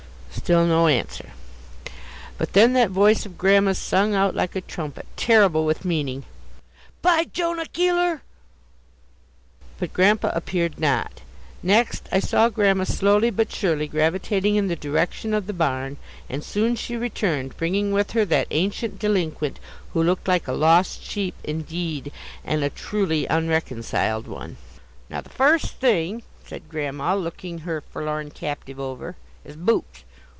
Still no answer. Then that voice of Grandma's sung out like a trumpet, terrible with meaning "Bijonah Keeler!" But Grandpa appeared not. Next, I saw Grandma slowly but surely gravitating in the direction of the barn, and soon she returned, bringing with her that ancient delinquent, who looked like a lost sheep indeed and a truly unreconciled one. "Now the first thing," said Grandma, looking her forlorn captive over; "is boots.